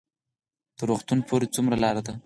تر روغتون پورې څومره لار ده؟